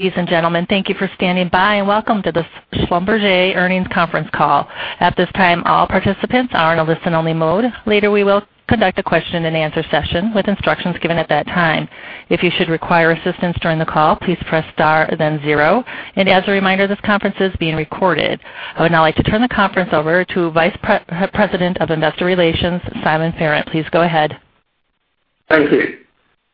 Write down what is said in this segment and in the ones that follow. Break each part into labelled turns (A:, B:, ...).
A: Ladies and gentlemen, thank you for standing by, and welcome to the Schlumberger Earnings Conference Call. At this time, all participants are in a listen-only mode. Later, we will conduct a question-and-answer session with instructions given at that time. If you should require assistance during the call, please press star, then zero, and as a reminder, this conference is being recorded. I would now like to turn the conference over to Vice President of Investor Relations, Simon Farrant. Please go ahead.
B: Thank you.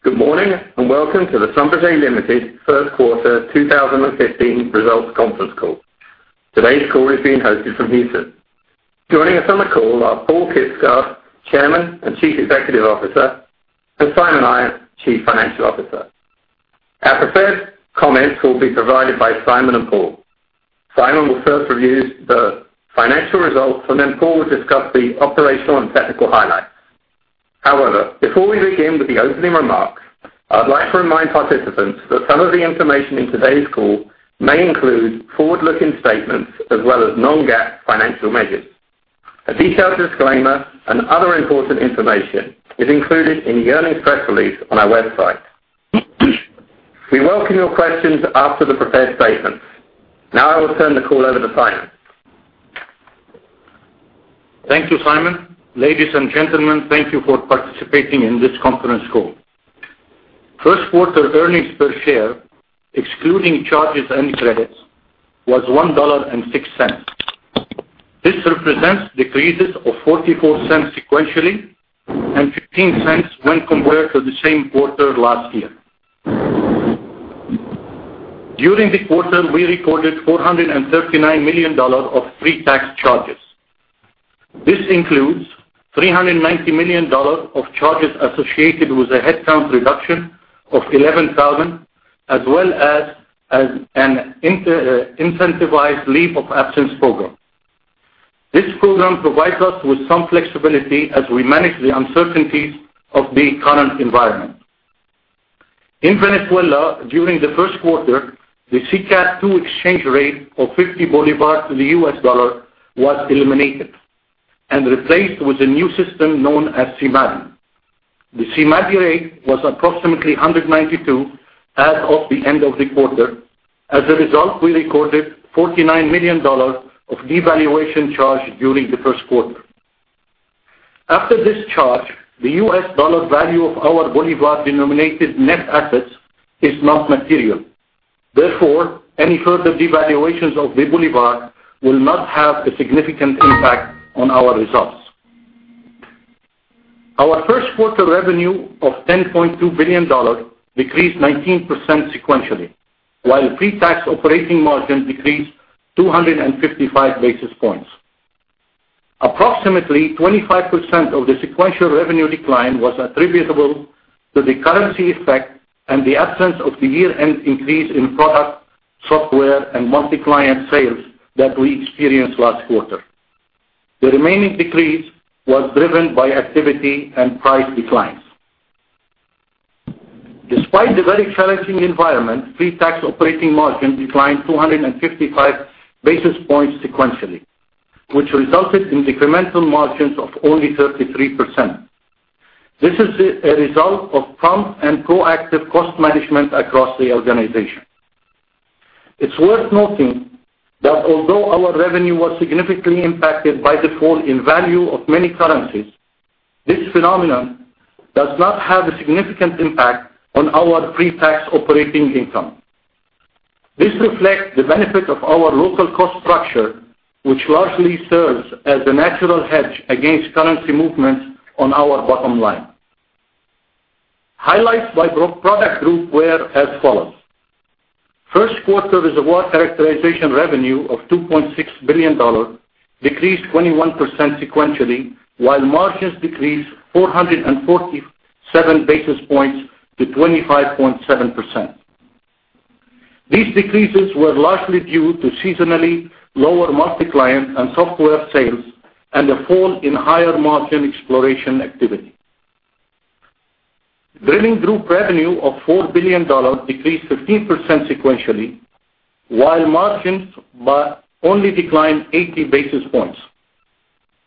B: Good morning, and welcome to the Schlumberger Limited First Quarter 2015 Results Conference Call. Today's call is being hosted from Houston. Joining us on the call are Paal Kibsgaard, Chairman and Chief Executive Officer, and Simon Ayat, Chief Financial Officer. Our prepared comments will be provided by Simon and Paal. Simon will first review the financial results, and then Paal will discuss the operational and technical highlights. However, before we begin with the opening remarks, I would like to remind participants that some of the information in today's call may include forward-looking statements as well as non-GAAP financial measures. A detailed disclaimer and other important information is included in the earnings press release on our website. We welcome your questions after the prepared statements. Now I will turn the call over to Simon.
C: Thank you, Simon. Ladies and gentlemen, thank you for participating in this conference call. First quarter earnings per share, excluding charges and credits, was $1.06. This represents decreases of $0.44 sequentially and $0.15 when compared to the same quarter last year. During the quarter, we recorded $439 million of pre-tax charges. This includes $390 million of charges associated with a headcount reduction of 11,000, as well as an incentivized leave of absence program. This program provides us with some flexibility as we manage the uncertainties of the current environment. In Venezuela, during the first quarter, the SICAD 2 exchange rate of 50 bolivar to the US dollar was eliminated and replaced with a new system known as SIMADI. The SIMADI rate was approximately 192 as of the end of the quarter. As a result, we recorded $49 million of devaluation charge during the first quarter. After this charge, the US dollar value of our bolivar-denominated net assets is not material. Therefore, any further devaluations of the bolivar will not have a significant impact on our results. Our first quarter revenue of $10.2 billion decreased 19% sequentially, while pre-tax operating margin decreased 255 basis points. Approximately 25% of the sequential revenue decline was attributable to the currency effect and the absence of the year-end increase in product, software, and MultiClient sales that we experienced last quarter. The remaining decrease was driven by activity and price declines. Despite the very challenging environment, pre-tax operating margin declined 255 basis points sequentially, which resulted in incremental margins of only 33%. This is a result of prompt and proactive cost management across the organization. It's worth noting that although our revenue was significantly impacted by the fall in value of many currencies, this phenomenon does not have a significant impact on our pre-tax operating income. This reflects the benefit of our local cost structure, which largely serves as a natural hedge against currency movements on our bottom line. Highlights by product group were as follows: First quarter reservoir characterization revenue of $2.6 billion decreased 21% sequentially, while margins decreased 447 basis points to 25.7%. These decreases were largely due to seasonally lower MultiClient and software sales and a fall in higher-margin exploration activity. Drilling group revenue of $4 billion decreased 15% sequentially, while margins only declined 80 basis points.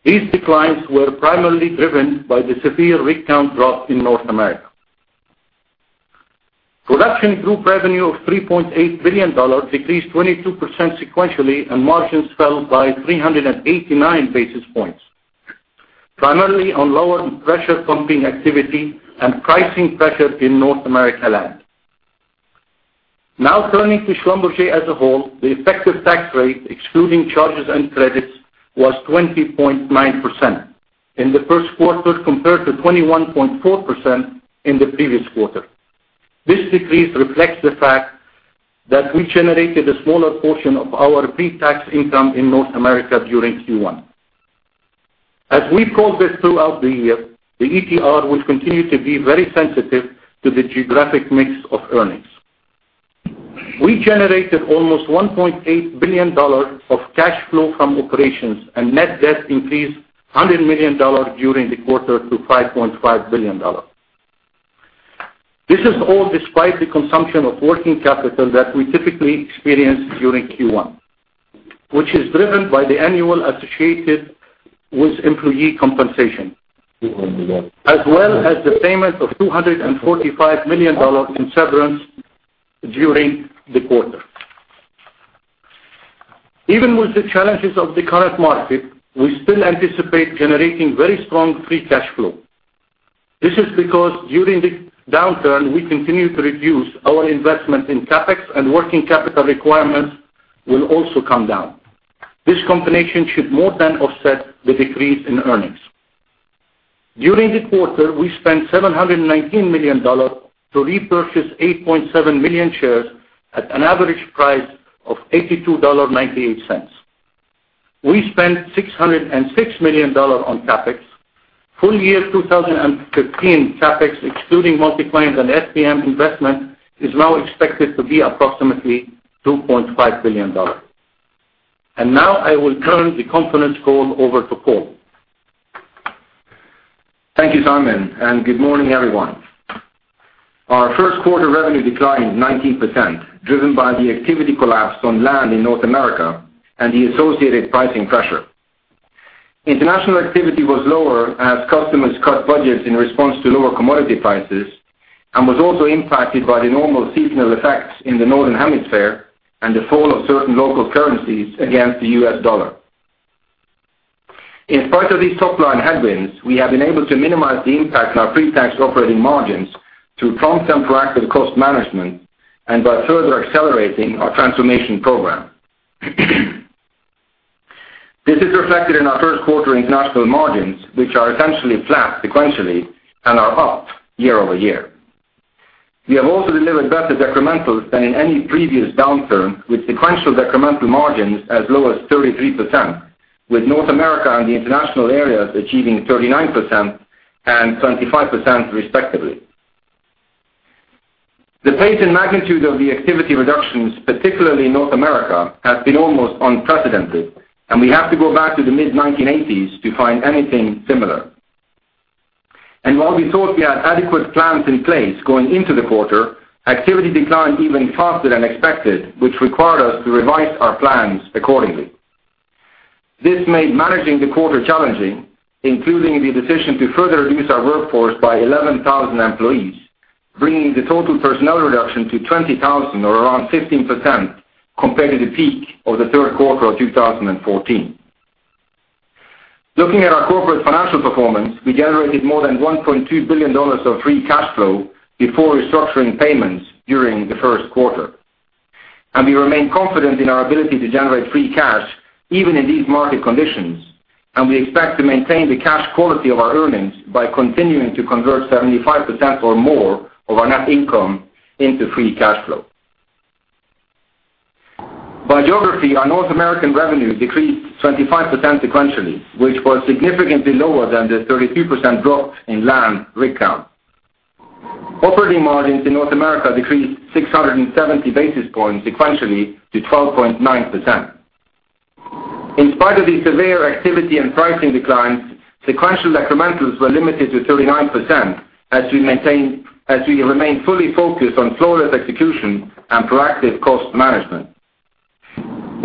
C: These declines were primarily driven by the severe rig count drop in North America. Which is driven by the annual associated with employee compensation, as well as the payment of $245 million in severance during the quarter. Even with the challenges of the current market, we still anticipate generating very strong free cash flow. This is because during the downturn, we continue to reduce our investment in CapEx and working capital requirements will also come down. This combination should more than offset the decrease in earnings.
D: Thank you, Simon. Good morning, everyone. Our first quarter revenue declined 19%, driven by the activity collapse on land in North America and the associated pricing pressure. International activity was lower as customers cut budgets in response to lower commodity prices and was also impacted by the normal seasonal effects in the Northern Hemisphere and the fall of certain local currencies against the U.S. dollar. In spite of these top-line headwinds, we have been able to minimize the impact on our pre-tax operating margins through prompt and proactive cost management and by further accelerating our transformation program. This is reflected in our first quarter international margins, which are essentially flat sequentially and are up year-over-year. We have also delivered better decrementals than in any previous downturn, with sequential decremental margins as low as 33%, with North America and the international areas achieving 39% and 25% respectively. The pace and magnitude of the activity reductions, particularly in North America, has been almost unprecedented, and we have to go back to the mid-1980s to find anything similar. While we thought we had adequate plans in place going into the quarter, activity declined even faster than expected, which required us to revise our plans accordingly. This made managing the quarter challenging, including the decision to further reduce our workforce by 11,000 employees, bringing the total personnel reduction to 20,000 or around 15% compared to the peak of the third quarter of 2014. Looking at our corporate financial performance, we generated more than $1.2 billion of free cash flow before restructuring payments during the first quarter. We remain confident in our ability to generate free cash even in these market conditions. We expect to maintain the cash quality of our earnings by continuing to convert 75% or more of our net income into free cash flow. By geography, our North American revenue decreased 25% sequentially, which was significantly lower than the 33% drop in land rig count. Operating margins in North America decreased 670 basis points sequentially to 12.9%. In spite of the severe activity and pricing declines, sequential decrementals were limited to 39% as we remain fully focused on flawless execution and proactive cost management.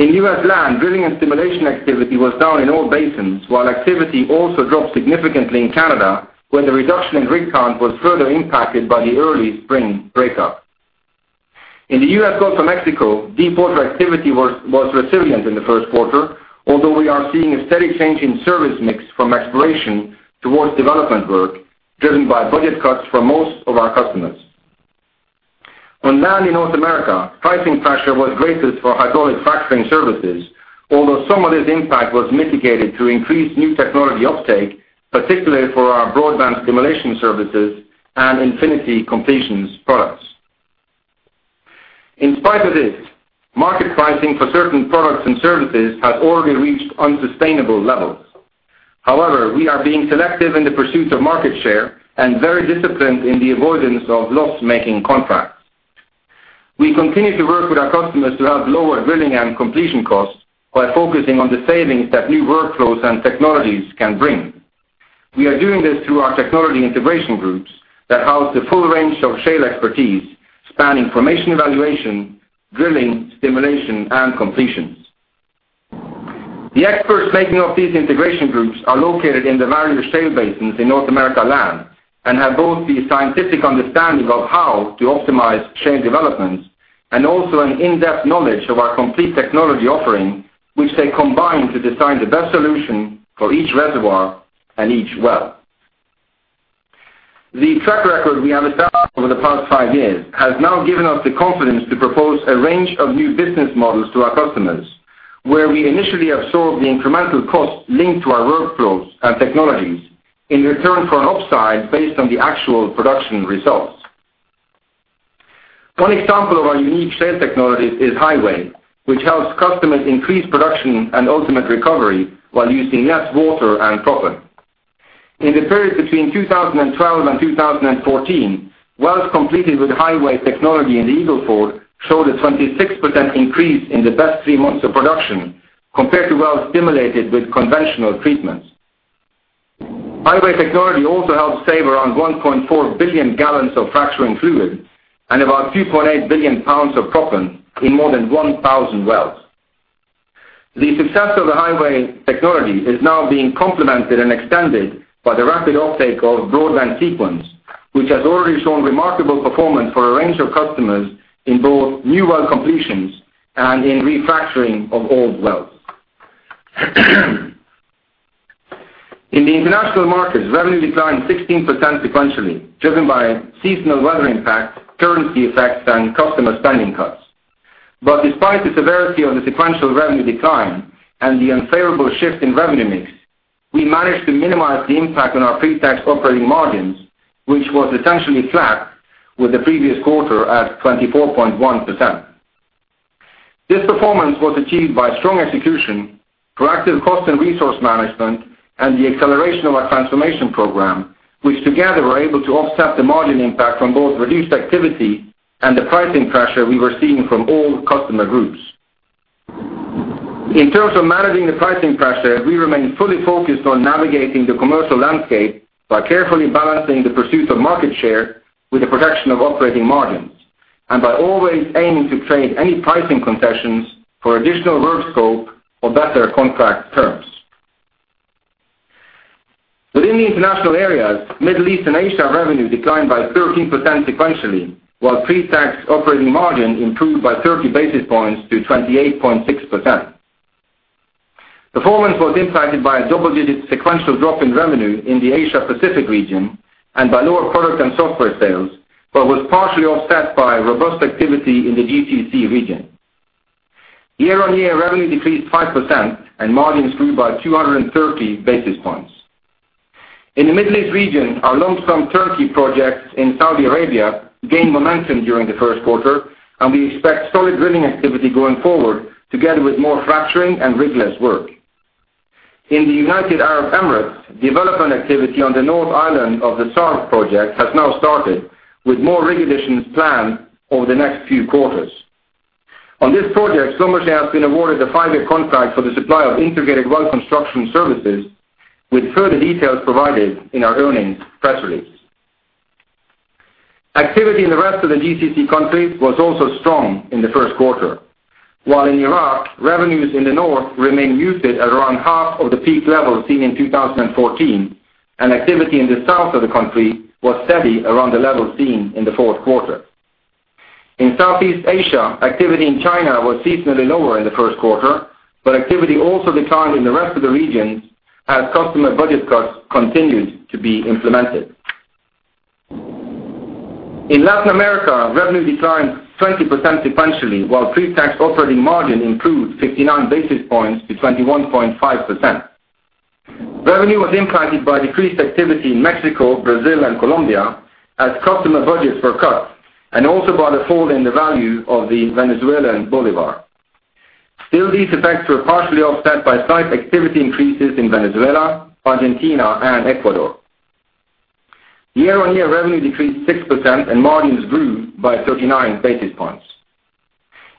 D: In U.S. land, drilling and stimulation activity was down in all basins, while activity also dropped significantly in Canada, where the reduction in rig count was further impacted by the early spring breakup. In the U.S. Gulf of Mexico, deepwater activity was resilient in the first quarter, although we are seeing a steady change in service mix from exploration towards development work, driven by budget cuts for most of our customers. On land in North America, pricing pressure was greatest for hydraulic fracturing services, although some of this impact was mitigated through increased new technology uptake, particularly for our BroadBand stimulation services and INFINIT completions products. In spite of this, market pricing for certain products and services has already reached unsustainable levels. We are being selective in the pursuit of market share and very disciplined in the avoidance of loss-making contracts. We continue to work with our customers to have lower drilling and completion costs by focusing on the savings that new workflows and technologies can bring. We are doing this through our technology integration groups that house the full range of shale expertise, spanning formation evaluation, drilling, stimulation, and completions. The experts making up these integration groups are located in the various shale basins in North America land and have both the scientific understanding of how to optimize shale developments and also an in-depth knowledge of our complete technology offering, which they combine to design the best solution for each reservoir and each well. The track record we have established over the past five years has now given us the confidence to propose a range of new business models to our customers, where we initially absorb the incremental cost linked to our workflows and technologies in return for an upside based on the actual production results. One example of our unique shale technologies is HiWAY, which helps customers increase production and ultimate recovery while using less water and proppant. In the period between 2012 and 2014, wells completed with HiWAY technology in the Eagle Ford showed a 26% increase in the best three months of production compared to wells stimulated with conventional treatments. HiWAY technology also helps save around 1.4 billion gallons of fracturing fluid and about 2.8 billion pounds of proppant in more than 1,000 wells. The success of the HiWAY technology is now being complemented and extended by the rapid uptake of BroadBand Sequence, which has already shown remarkable performance for a range of customers in both new well completions and in refracturing of old wells. In the international markets, revenue declined 16% sequentially, driven by seasonal weather impacts, currency effects, and customer spending cuts. Despite the severity of the sequential revenue decline and the unfavorable shift in revenue mix, we managed to minimize the impact on our pre-tax operating margins, which was essentially flat with the previous quarter at 24.1%. This performance was achieved by strong execution, proactive cost and resource management, and the acceleration of our transformation program, which together were able to offset the margin impact from both reduced activity and the pricing pressure we were seeing from all customer groups. In terms of managing the pricing pressure, we remain fully focused on navigating the commercial landscape by carefully balancing the pursuit of market share with the protection of operating margins, and by always aiming to trade any pricing concessions for additional work scope or better contract terms. Within the international areas, Middle East and Asia revenue declined by 13% sequentially, while pre-tax operating margin improved by 30 basis points to 28.6%. Performance was impacted by a double-digit sequential drop in revenue in the Asia Pacific region and by lower product and software sales, but was partially offset by robust activity in the GCC region. Year-on-year revenue decreased 5% and margins grew by 230 basis points. In the Middle East region, our long-stand turnkey projects in Saudi Arabia gained momentum during the first quarter, and we expect solid drilling activity going forward, together with more fracturing and rig-less work. In the United Arab Emirates, development activity on the North Island of the SARB project has now started, with more rig additions planned over the next few quarters. On this project, Schlumberger has been awarded a five-year contract for the supply of integrated well construction services, with further details provided in our earnings press release. Activity in the rest of the GCC countries was also strong in the first quarter. While in Iraq, revenues in the north remain muted at around half of the peak levels seen in 2014, and activity in the south of the country was steady around the levels seen in the fourth quarter. In Southeast Asia, activity in China was seasonally lower in the first quarter, but activity also declined in the rest of the regions as customer budget cuts continued to be implemented. In Latin America, revenue declined 20% sequentially, while pre-tax operating margin improved 59 basis points to 21.5%. Revenue was impacted by decreased activity in Mexico, Brazil, and Colombia as customer budgets were cut, and also by the fall in the value of the Venezuelan bolivar. Still, these effects were partially offset by slight activity increases in Venezuela, Argentina, and Ecuador. Year-on-year revenue decreased 6% and margins grew by 39 basis points.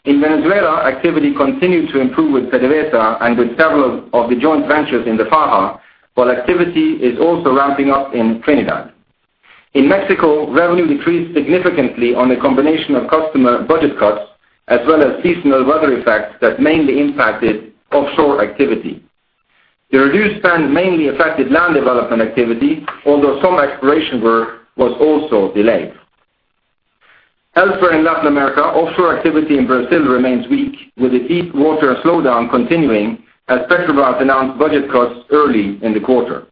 D: In Venezuela, activity continued to improve with PDVSA and with several of the joint ventures in the Faja, while activity is also ramping up in Trinidad. In Mexico, revenue decreased significantly on a combination of customer budget cuts, as well as seasonal weather effects that mainly impacted offshore activity. The reduced spend mainly affected land development activity, although some exploration work was also delayed. Elsewhere in Latin America, offshore activity in Brazil remains weak, with the deep water slowdown continuing as Petrobras announced budget cuts early in the quarter.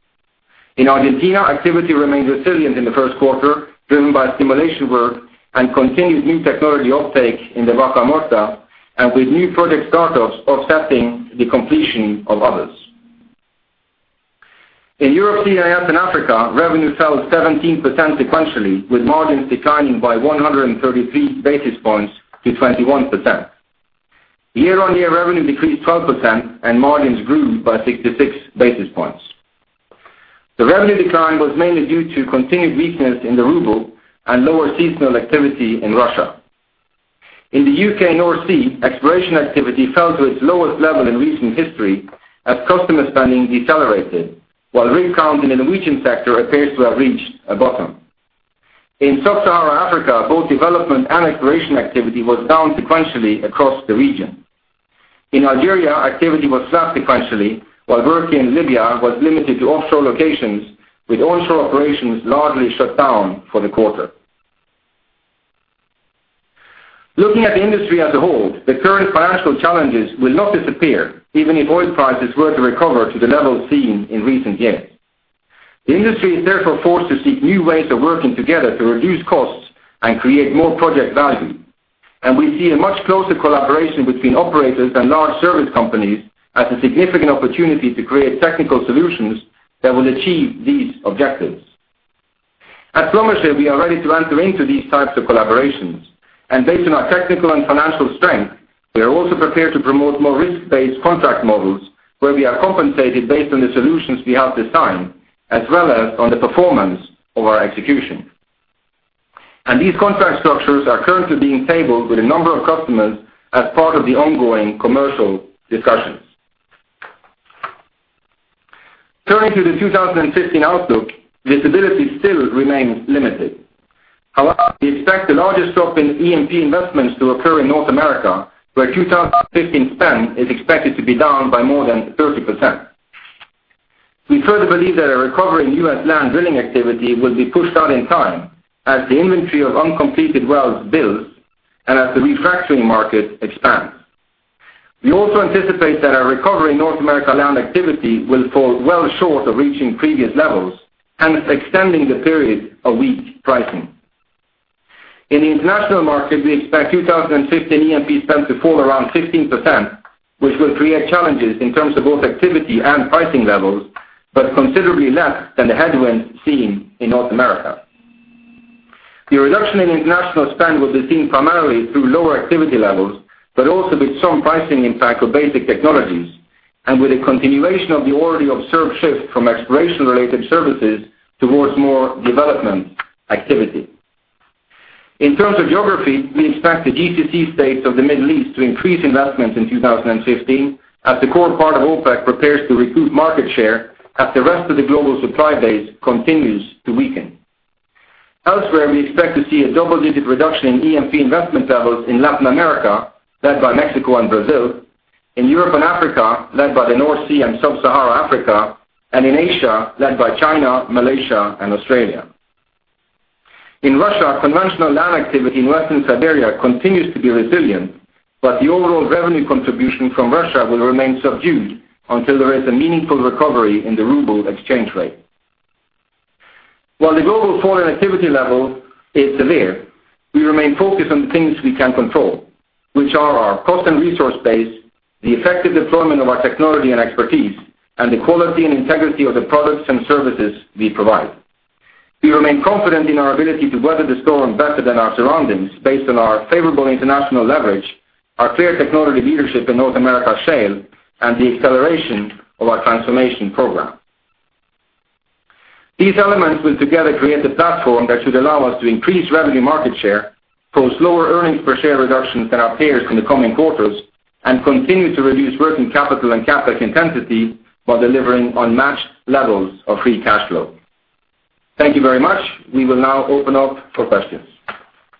D: In Argentina, activity remained resilient in the first quarter, driven by stimulation work and continued new technology uptake in the Vaca Muerta, and with new project startups offsetting the completion of others. In Europe, CIS, and Africa, revenue fell 17% sequentially, with margins declining by 133 basis points to 21%. Year-on-year revenue decreased 12% and margins grew by 66 basis points. The revenue decline was mainly due to continued weakness in the ruble and lower seasonal activity in Russia. In the U.K. North Sea, exploration activity fell to its lowest level in recent history as customer spending decelerated, while rig count in the Norwegian sector appears to have reached a bottom. In Sub-Saharan Africa, both development and exploration activity was down sequentially across the region. In Algeria, activity was flat sequentially, while work in Libya was limited to offshore locations, with onshore operations largely shut down for the quarter. Looking at the industry as a whole, the current financial challenges will not disappear, even if oil prices were to recover to the levels seen in recent years. The industry is therefore forced to seek new ways of working together to reduce costs and create more project value, and we see a much closer collaboration between operators and large service companies as a significant opportunity to create technical solutions that will achieve these objectives. At Schlumberger, we are ready to enter into these types of collaborations, and based on our technical and financial strength, we are also prepared to promote more risk-based contract models where we are compensated based on the solutions we help design, as well as on the performance of our execution. These contract structures are currently being tabled with a number of customers as part of the ongoing commercial discussions. Turning to the 2015 outlook, visibility still remains limited. However, we expect the largest drop in E&P investments to occur in North America, where 2015 spend is expected to be down by more than 30%. We further believe that a recovery in U.S. land drilling activity will be pushed out in time as the inventory of uncompleted wells builds and as the refracturing market expands. We also anticipate that a recovery in North America land activity will fall well short of reaching previous levels and extending the period of weak pricing. In the international market, we expect 2015 E&P spend to fall around 15%, which will create challenges in terms of both activity and pricing levels, but considerably less than the headwind seen in North America. The reduction in international spend will be seen primarily through lower activity levels, but also with some pricing impact of basic technologies and with a continuation of the already observed shift from exploration-related services towards more development activity. In terms of geography, we expect the GCC states of the Middle East to increase investments in 2015 as the core part of OPEC prepares to recoup market share as the rest of the global supply base continues to weaken. Elsewhere, we expect to see a double-digit reduction in E&P investment levels in Latin America, led by Mexico and Brazil, in Europe and Africa, led by the North Sea and Sub-Saharan Africa, and in Asia, led by China, Malaysia, and Australia. In Russia, conventional land activity in Western Siberia continues to be resilient, but the overall revenue contribution from Russia will remain subdued until there is a meaningful recovery in the ruble exchange rate. While the global foreign activity level is severe, we remain focused on the things we can control, which are our cost and resource base, the effective deployment of our technology and expertise, and the quality and integrity of the products and services we provide. We remain confident in our ability to weather the storm better than our surroundings based on our favorable international leverage, our clear technology leadership in North America shale, and the acceleration of our transformation program. These elements will together create a platform that should allow us to increase revenue market share, post lower earnings per share reductions than our peers in the coming quarters, and continue to reduce working capital and CapEx intensity while delivering unmatched levels of free cash flow. Thank you very much. We will now open up for questions.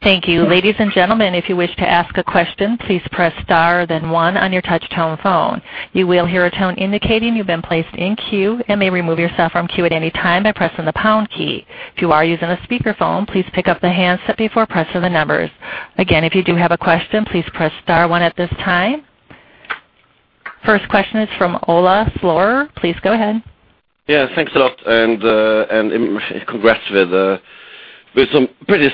A: Thank you. Ladies and gentlemen, if you wish to ask a question, please press star then one on your touch-tone phone. You will hear a tone indicating you've been placed in queue and may remove yourself from queue at any time by pressing the pound key. If you are using a speakerphone, please pick up the handset before pressing the numbers. Again, if you do have a question, please press star one at this time. First question is from Ole Slorer. Please go ahead.
E: Thanks a lot and congrats with some pretty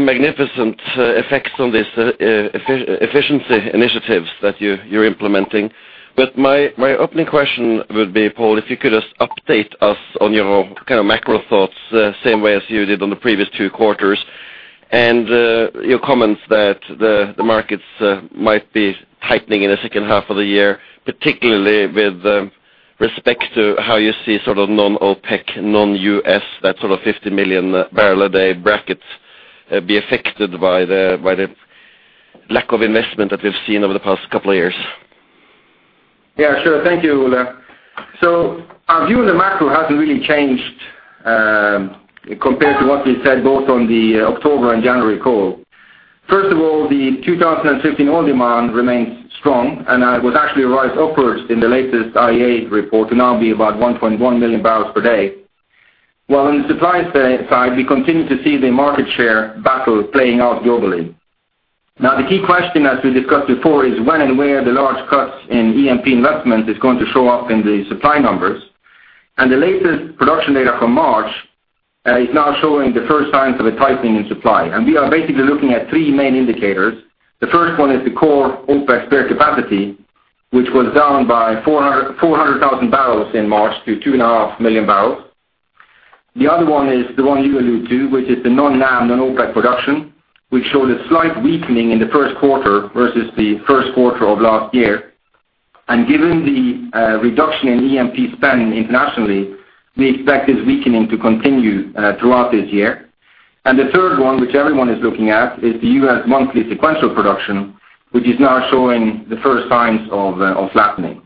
E: magnificent effects on these efficiency initiatives that you're implementing. My opening question would be, Paal, if you could just update us on your macro thoughts, same way as you did on the previous two quarters, and your comments that the markets might be tightening in the second half of the year, particularly with respect to how you see sort of non-OPEC, non-U.S., that sort of 50-million-barrel-a-day bracket be affected by the lack of investment that we've seen over the past couple of years.
D: Sure. Thank you, Ole. Our view on the macro hasn't really changed compared to what we said both on the October and January call. First of all, the 2015 oil demand remains strong, and it was actually revised upwards in the latest IEA report to now be about 1.1 million barrels per day. While on the supply side, we continue to see the market share battle playing out globally. The key question, as we discussed before, is when and where the large cuts in E&P investment is going to show up in the supply numbers. The latest production data from March is now showing the first signs of a tightening in supply. We are basically looking at three main indicators. The first one is the core OPEC spare capacity, which was down by 400,000 barrels in March to 2.5 million barrels. The other one is the one you allude to, which is the non-NAM, non-OPEC production, which showed a slight weakening in the first quarter versus the first quarter of last year. Given the reduction in E&P spend internationally, we expect this weakening to continue throughout this year. The third one, which everyone is looking at, is the U.S. monthly sequential production, which is now showing the first signs of flattening.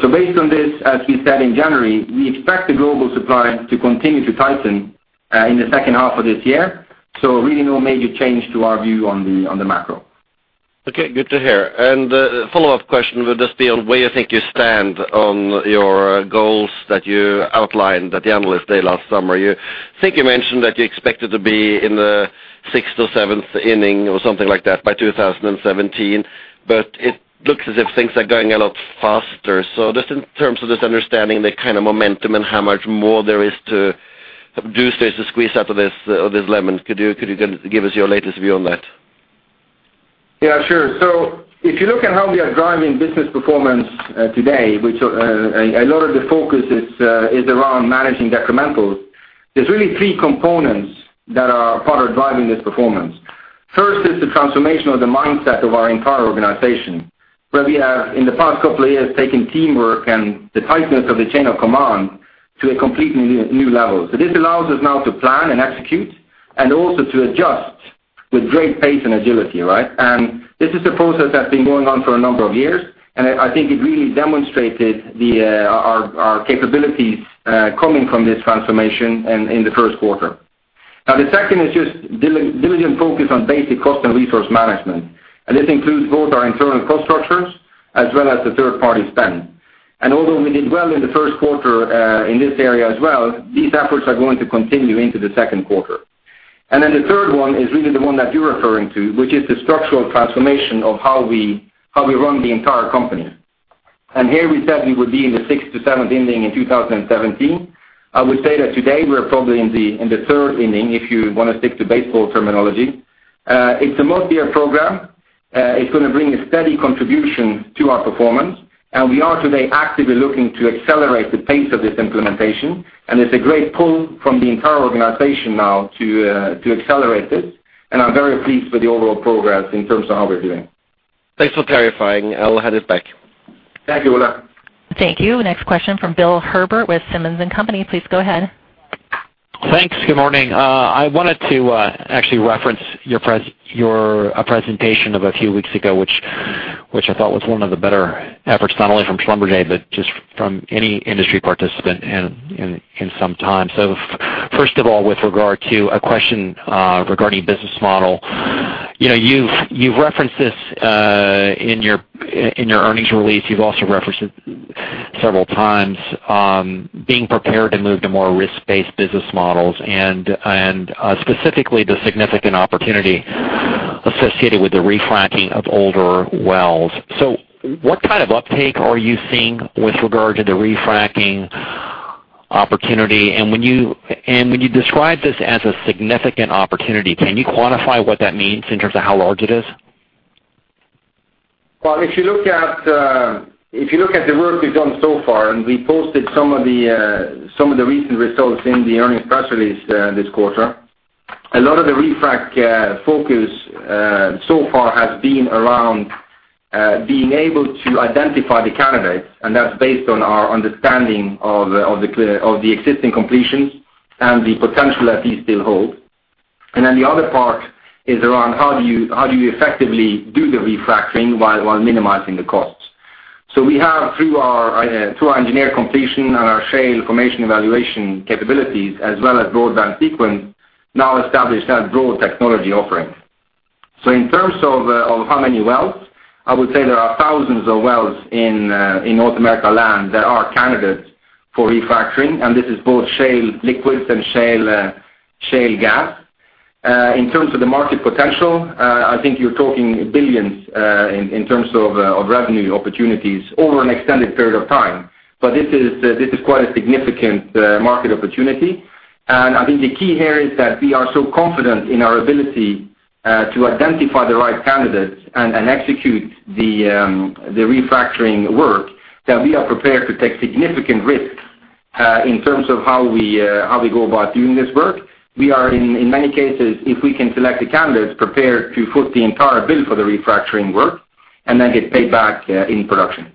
D: Based on this, as we said in January, we expect the global supply to continue to tighten in the second half of this year. Really no major change to our view on the macro.
E: Okay. Good to hear. A follow-up question would just be on where you think you stand on your goals that you outlined at the Analyst Day last summer. I think you mentioned that you expected to be in the sixth or seventh inning or something like that by 2017, it looks as if things are going a lot faster. Just in terms of just understanding the kind of momentum and how much more there is to do, space to squeeze out of this lemon, could you give us your latest view on that?
D: Yeah, sure. If you look at how we are driving business performance today, which a lot of the focus is around managing decrementals, there's really three components that are part of driving this performance. First is the transformation of the mindset of our entire organization, where we have, in the past couple of years, taken teamwork and the tightness of the chain of command to a completely new level. This allows us now to plan and execute and also to adjust with great pace and agility. This is a process that's been going on for a number of years, and I think it really demonstrated our capabilities coming from this transformation in the first quarter. The second is just diligent focus on basic cost and resource management. This includes both our internal cost structures as well as the third-party spend. Although we did well in the first quarter in this area as well, these efforts are going to continue into the second quarter. The third one is really the one that you're referring to, which is the structural transformation of how we run the entire company. Here we said we would be in the sixth to seventh inning in 2017. I would say that today we're probably in the third inning, if you want to stick to baseball terminology. It's a multi-year program. It's going to bring a steady contribution to our performance. We are today actively looking to accelerate the pace of this implementation, and it's a great pull from the entire organization now to accelerate this. I'm very pleased with the overall progress in terms of how we're doing.
E: Thanks for clarifying. I'll hand it back.
D: Thank you, Ola.
A: Thank you. Next question from Bill Herbert with Simmons & Company. Please go ahead.
F: Thanks. Good morning. I wanted to actually reference your presentation of a few weeks ago, which I thought was one of the better efforts, not only from Schlumberger, but just from any industry participant in some time. First of all, with regard to a question regarding business model. You've referenced this in your earnings release. You've also referenced it several times, being prepared to move to more risk-based business models and specifically the significant opportunity associated with the refracking of older wells. What kind of uptake are you seeing with regard to the refracking opportunity? When you describe this as a significant opportunity, can you quantify what that means in terms of how large it is?
D: Well, if you look at the work we've done so far, we posted some of the recent results in the earnings press release this quarter. A lot of the refrac focus so far has been around being able to identify the candidates, and that's based on our understanding of the existing completions and the potential that these still hold. The other part is around how do you effectively do the refactoring while minimizing the costs. We have, through our engineer completion and our shale information evaluation capabilities, as well as BroadBand Sequence, now established that broad technology offering. In terms of how many wells, I would say there are thousands of wells in North America land that are candidates for refactoring, and this is both shale liquids and shale gas. In terms of the market potential, I think you're talking billions in terms of revenue opportunities over an extended period of time. This is quite a significant market opportunity. I think the key here is that we are so confident in our ability to identify the right candidates and execute the refactoring work, that we are prepared to take significant risks in terms of how we go about doing this work. We are, in many cases, if we can select the candidates, prepared to foot the entire bill for the refactoring work and then get paid back in production.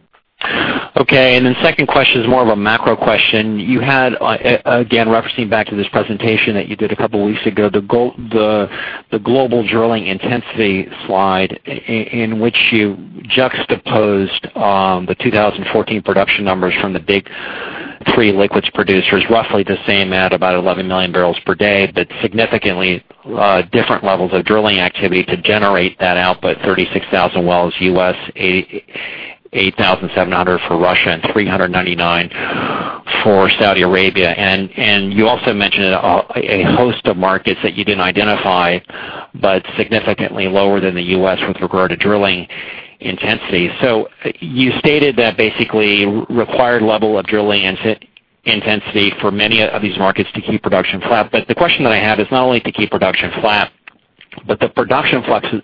F: Okay, second question is more of a macro question. You had, again, referencing back to this presentation that you did a couple of weeks ago, the global drilling intensity slide in which you juxtaposed the 2014 production numbers from the big three liquids producers, roughly the same at about 11 million barrels per day, but significantly different levels of drilling activity to generate that output, 36,000 wells U.S., 8,700 for Russia, and 399 for Saudi Arabia. You also mentioned a host of markets that you didn't identify but significantly lower than the U.S. with regard to drilling intensity. You stated that basically required level of drilling intensity for many of these markets to keep production flat. The question that I have is not only to keep production flat, but the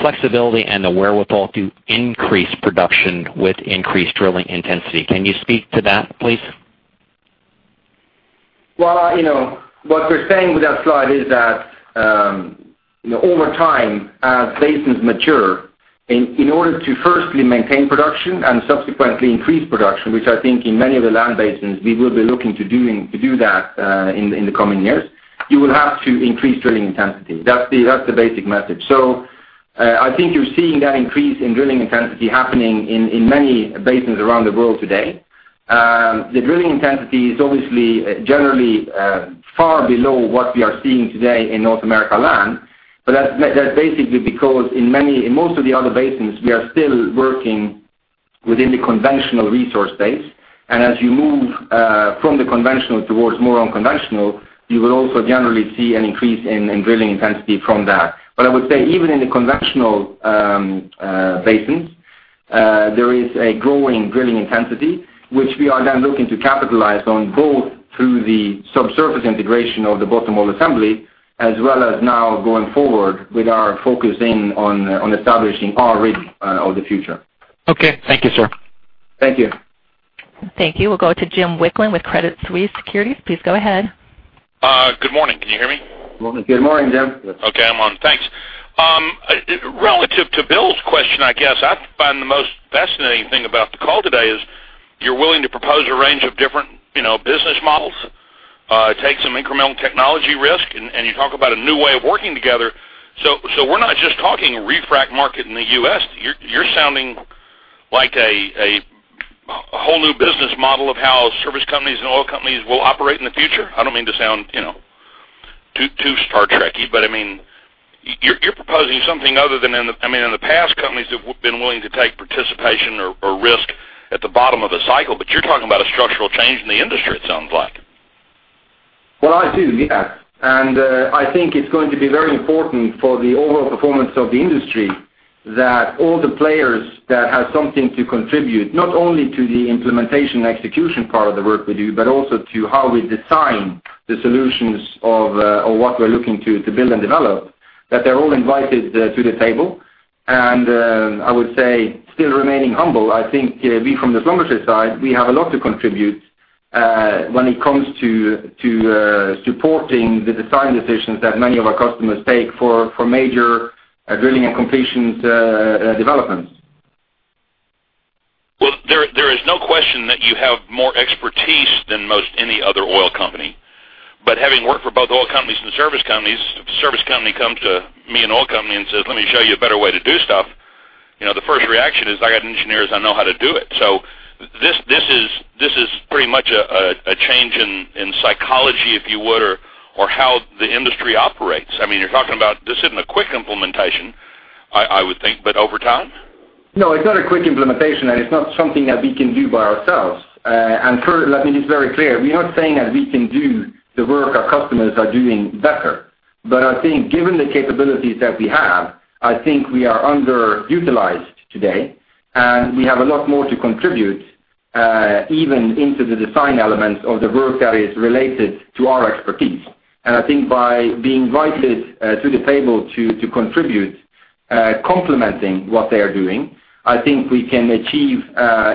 F: flexibility and the wherewithal to increase production with increased drilling intensity. Can you speak to that, please?
D: Well, what we're saying with that slide is that over time, as basins mature, in order to firstly maintain production and subsequently increase production, which I think in many of the land basins we will be looking to do that in the coming years, you will have to increase drilling intensity. That's the basic message. I think you're seeing that increase in drilling intensity happening in many basins around the world today. The drilling intensity is obviously generally far below what we are seeing today in North America land. That's basically because in most of the other basins, we are still working within the conventional resource base. As you move from the conventional towards more unconventional, you will also generally see an increase in drilling intensity from that. I would say even in the conventional basins there is a growing drilling intensity, which we are then looking to capitalize on both through the subsurface integration of the bottom hole assembly, as well as now going forward with our focusing on establishing our rig of the future.
F: Okay. Thank you, sir.
D: Thank you.
A: Thank you. We'll go to Jim Wicklund with Credit Suisse Securities. Please go ahead.
G: Good morning. Can you hear me?
D: Good morning, Jim.
G: Okay, I'm on. Thanks. Relative to Bill's question, I guess I find the most fascinating thing about the call today is you're willing to propose a range of different business models, take some incremental technology risk, and you talk about a new way of working together. We're not just talking refrac market in the U.S. You're sounding like a whole new business model of how service companies and oil companies will operate in the future. I don't mean to sound too Star Trek-y. You're proposing something other than. In the past, companies have been willing to take participation or risk at the bottom of a cycle. You're talking about a structural change in the industry, it sounds like.
D: Well, I do. Yeah. I think it's going to be very important for the overall performance of the industry that all the players that have something to contribute, not only to the implementation and execution part of the work we do, but also to how we design the solutions of what we're looking to build and develop, that they're all invited to the table. I would say, still remaining humble, I think we from the Schlumberger side, we have a lot to contribute when it comes to supporting the design decisions that many of our customers take for major drilling and completion developments.
G: Well, there is no question that you have more expertise than most any other oil company. Having worked for both oil companies and service companies, if a service company comes to me, an oil company, and says, "Let me show you a better way to do stuff," the first reaction is, "I got engineers. I know how to do it." This is pretty much a change in psychology, if you would, or how the industry operates. You're talking about this isn't a quick implementation, I would think, over time?
D: No, it's not a quick implementation, and it's not something that we can do by ourselves. Let me be very clear, we are not saying that we can do the work our customers are doing better. I think given the capabilities that we have, I think we are underutilized today, and we have a lot more to contribute, even into the design elements of the work that is related to our expertise. I think by being invited to the table to contribute, complementing what they are doing, I think we can achieve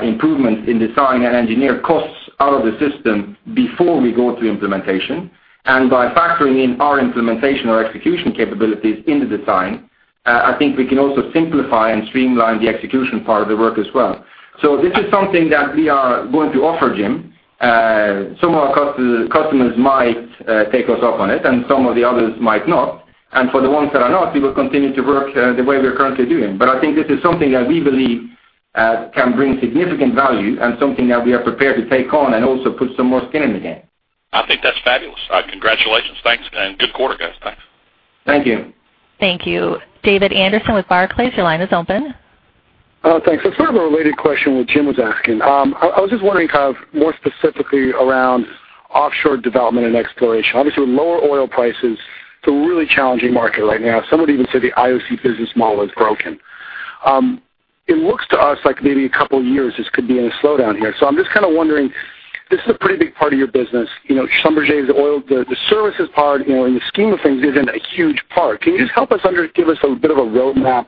D: improvements in design and engineer costs out of the system before we go to implementation. By factoring in our implementation or execution capabilities into design, I think we can also simplify and streamline the execution part of the work as well. This is something that we are going to offer, Jim. Some of our customers might take us up on it, and some of the others might not. For the ones that are not, we will continue to work the way we're currently doing. I think this is something that we believe can bring significant value and something that we are prepared to take on and also put some more skin in the game.
G: I think that's fabulous. Congratulations. Thanks and good quarter, guys. Thanks.
D: Thank you.
A: Thank you. David Anderson with Barclays, your line is open.
H: Thanks. It's sort of a related question what Jim was asking. I was just wondering more specifically around offshore development and exploration. Obviously, with lower oil prices, it's a really challenging market right now. Some would even say the IOC business model is broken. It looks to us like maybe a couple of years this could be in a slowdown here. I'm just kind of wondering, this is a pretty big part of your business. Schlumberger is oil. The services part, in the scheme of things, isn't a huge part. Can you just help us give us a bit of a roadmap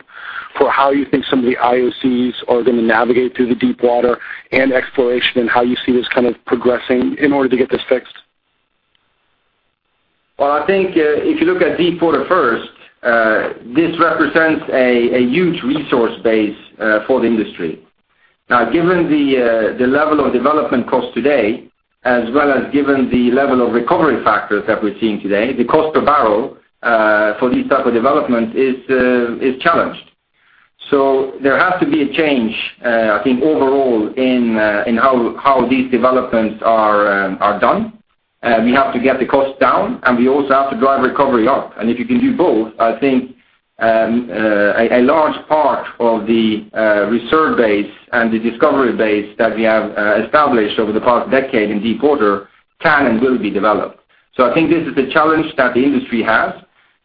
H: for how you think some of the IOCs are going to navigate through the deep water and exploration and how you see this progressing in order to get this fixed?
D: Well, I think if you look at deep water first, this represents a huge resource base for the industry. Now, given the level of development cost today, as well as given the level of recovery factors that we're seeing today, the cost per barrel for these types of developments is challenged. There has to be a change, I think, overall in how these developments are done. We have to get the cost down, and we also have to drive recovery up. If you can do both, I think a large part of the reserve base and the discovery base that we have established over the past decade in deep water can and will be developed. I think this is the challenge that the industry has,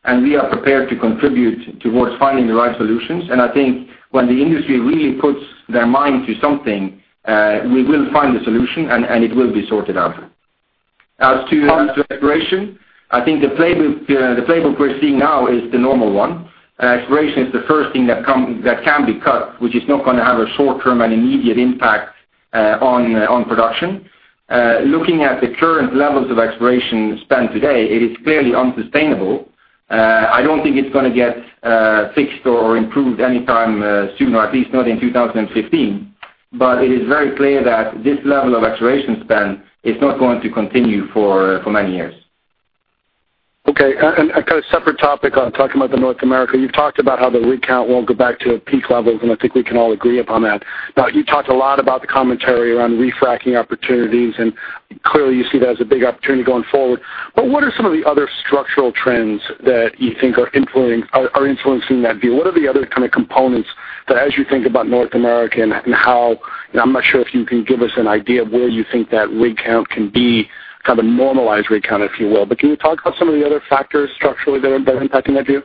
D: and we are prepared to contribute towards finding the right solutions. I think when the industry really puts their mind to something, we will find a solution, and it will be sorted out. As to exploration, I think the playbook we're seeing now is the normal one. Exploration is the first thing that can be cut, which is not going to have a short-term and immediate impact on production. Looking at the current levels of exploration spend today, it is clearly unsustainable. I don't think it's going to get fixed or improved anytime soon, or at least not in 2015. It is very clear that this level of exploration spend is not going to continue for many years.
H: Okay. A separate topic on talking about North America. You've talked about how the rig count won't go back to peak levels, and I think we can all agree upon that. You talked a lot about the commentary around refracking opportunities, and clearly, you see that as a big opportunity going forward. What are some of the other structural trends that you think are influencing that view? What are the other components that as you think about North America and how, I'm not sure if you can give us an idea of where you think that rig count can be, kind of normalized rig count, if you will. Can you talk about some of the other factors structurally that are impacting that view?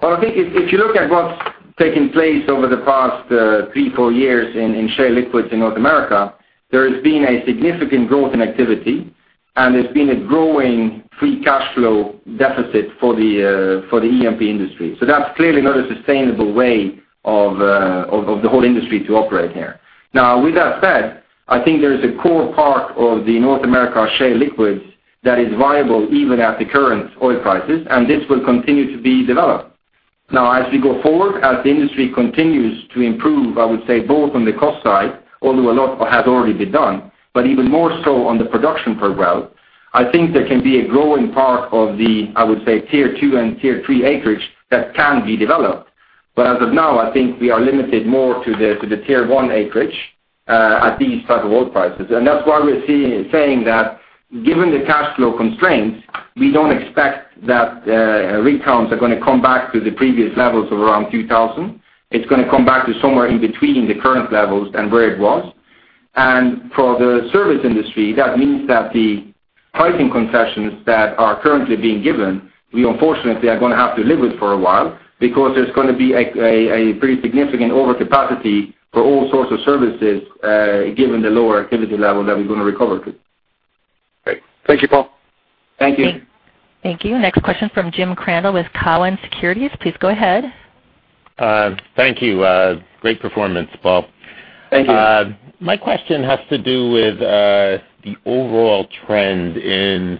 D: Well, I think if you look at what's taken place over the past three, four years in shale liquids in North America, there has been a significant growth in activity And there's been a growing free cash flow deficit for the E&P industry. That's clearly not a sustainable way of the whole industry to operate here. With that said, I think there is a core part of the North America shale liquids that is viable even at the current oil prices, and this will continue to be developed. As we go forward, as the industry continues to improve, I would say both on the cost side, although a lot has already been done, but even more so on the production per well, I think there can be a growing part of the, I would say, tier 2 and tier 3 acreage that can be developed. As of now, I think we are limited more to the tier 1 acreage at these type of oil prices. That's why we're saying that given the cash flow constraints, we don't expect that rig counts are going to come back to the previous levels of around 2,000. It's going to come back to somewhere in between the current levels and where it was. For the service industry, that means that the pricing concessions that are currently being given, we unfortunately are going to have to live with for a while, because there's going to be a pretty significant overcapacity for all sorts of services, given the lower activity level that we're going to recover to.
H: Great. Thank you, Paal.
D: Thank you.
A: Thank you. Next question from Jim Crandell with Cowen Securities. Please go ahead.
I: Thank you. Great performance, Paal.
D: Thank you.
I: My question has to do with the overall trend in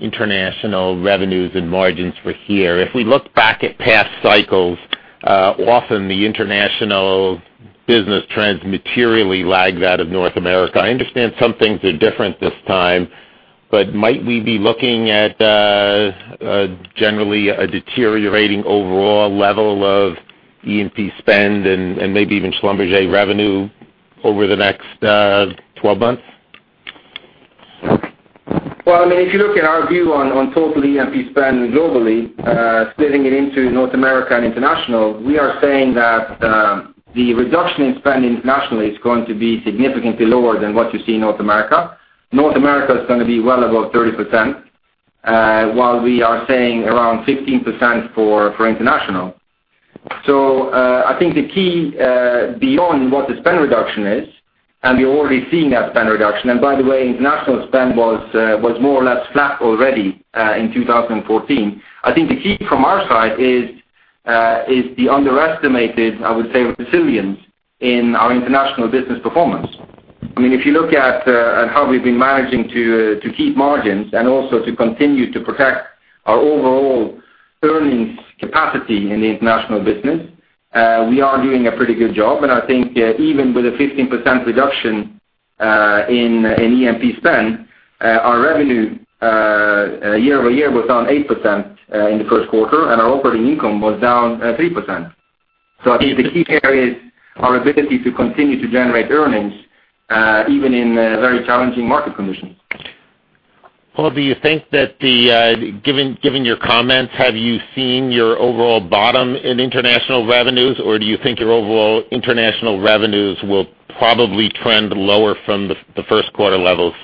I: international revenues and margins for here. If we look back at past cycles, often the international business trends materially lag that of North America. I understand some things are different this time, but might we be looking at generally a deteriorating overall level of E&P spend and maybe even Schlumberger revenue over the next 12 months?
D: If you look at our view on total E&P spend globally, splitting it into North America and international, we are saying that the reduction in spend internationally is going to be significantly lower than what you see in North America. North America is going to be well above 30%, while we are saying around 15% for international. I think the key, beyond what the spend reduction is, we're already seeing that spend reduction. By the way, international spend was more or less flat already in 2014. I think the key from our side is the underestimated, I would say, resilience in our international business performance. If you look at how we've been managing to keep margins and also to continue to protect our overall earnings capacity in the international business, we are doing a pretty good job. I think even with a 15% reduction in E&P spend, our revenue year-over-year was down 8% in the first quarter, and our operating income was down 3%. I think the key here is our ability to continue to generate earnings even in very challenging market conditions.
I: Paal, do you think that, given your comments, have you seen your overall bottom in international revenues, or do you think your overall international revenues will probably trend lower from the first quarter levels?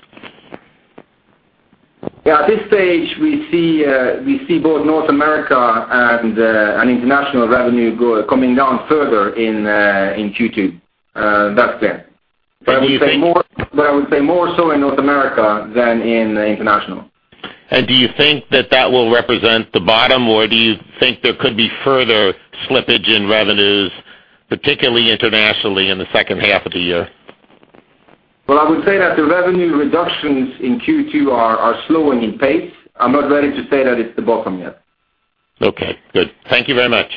D: Yeah. At this stage, we see both North America and international revenue coming down further in Q2. That's clear.
I: Do you think
D: I would say more so in North America than in the international.
I: Do you think that that will represent the bottom, or do you think there could be further slippage in revenues, particularly internationally, in the second half of the year?
D: Well, I would say that the revenue reductions in Q2 are slowing in pace. I'm not ready to say that it's the bottom yet.
I: Okay, good. Thank you very much.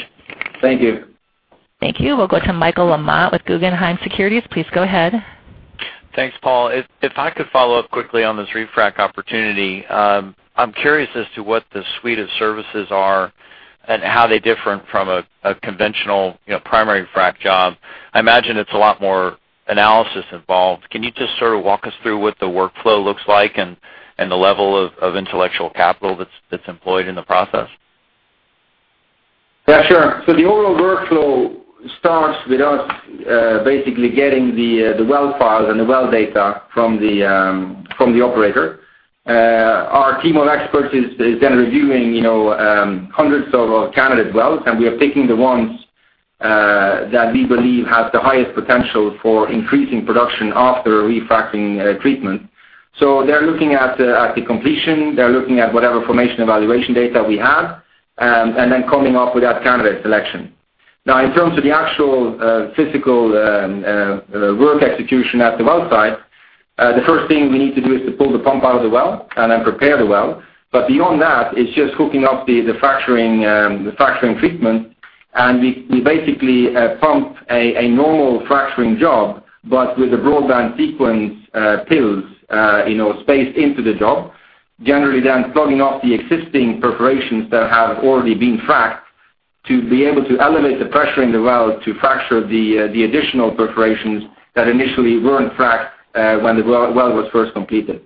D: Thank you.
A: Thank you. We'll go to Michael LaMotte with Guggenheim Securities. Please go ahead.
J: Thanks, Paal. If I could follow up quickly on this refrac opportunity. I'm curious as to what the suite of services are and how they different from a conventional primary frac job. I imagine it's a lot more analysis involved. Can you just sort of walk us through what the workflow looks like and the level of intellectual capital that's employed in the process?
D: Yeah, sure. The overall workflow starts with us basically getting the well files and the well data from the operator. Our team of experts is then reviewing hundreds of candidate wells, we are picking the ones that we believe have the highest potential for increasing production after a refactoring treatment. They're looking at the completion, they're looking at whatever formation evaluation data we have, then coming up with that candidate selection. Now, in terms of the actual physical work execution at the well site, the first thing we need to do is to pull the pump out of the well then prepare the well. Beyond that, it's just hooking up the fracturing treatment. We basically pump a normal fracturing job, but with the BroadBand Sequence pills spaced into the job. Generally plugging up the existing perforations that have already been fracked to be able to elevate the pressure in the well to fracture the additional perforations that initially weren't fracked when the well was first completed.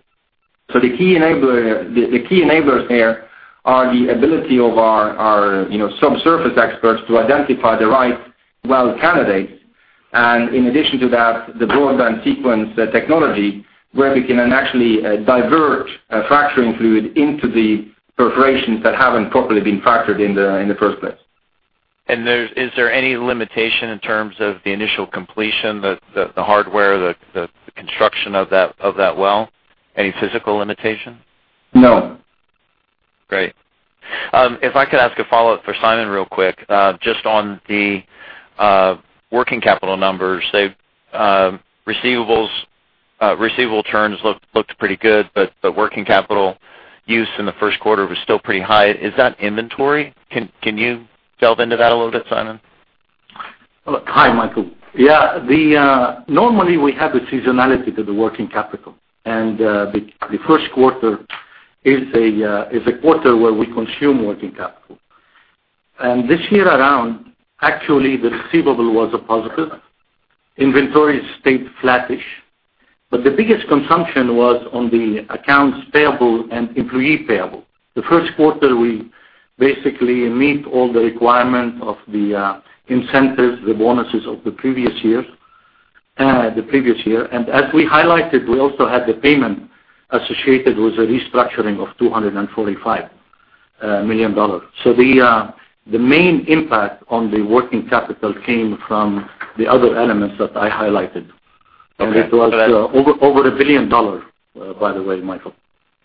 D: The key enablers there are the ability of our subsurface experts to identify the right well candidates. In addition to that, the BroadBand Sequence technology, where we can then actually divert fracturing fluid into the perforations that haven't properly been fractured in the first place.
J: Is there any limitation in terms of the initial completion, the hardware, the construction of that well? Any physical limitation?
D: No.
J: Great. If I could ask a follow-up for Simon real quick, just on the working capital numbers, the receivable terms looked pretty good, but working capital use in the first quarter was still pretty high. Is that inventory? Can you delve into that a little bit, Simon?
C: Hi, Michael. Normally, we have a seasonality to the working capital, and the first quarter is a quarter where we consume working capital. This year around, actually, the receivable was a positive. Inventory stayed flattish. The biggest consumption was on the accounts payable and employee payable. The first quarter, we basically meet all the requirements of the incentives, the bonuses of the previous year. As we highlighted, we also had the payment associated with the restructuring of $245 million. The main impact on the working capital came from the other elements that I highlighted. It was over $1 billion, by the way, Michael.